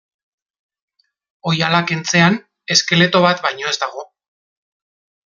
Oihala kentzean eskeleto bat baino ez dago.